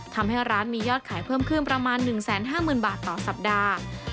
ทำให้ร้านมียอดขายเพิ่มขึ้นประมาณ๑๕๐๐๐บาทต่อสัปดาห์